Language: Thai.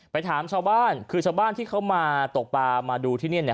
ถามชาวบ้านคือชาวบ้านที่เขามาตกปลามาดูที่นี่